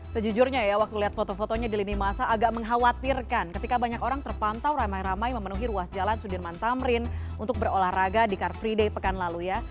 sejujurnya ya waktu lihat foto fotonya di lini masa agak mengkhawatirkan ketika banyak orang terpantau ramai ramai memenuhi ruas jalan sudirman tamrin untuk berolahraga di car free day pekan lalu ya